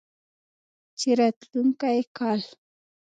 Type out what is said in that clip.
چې راتلونکی کال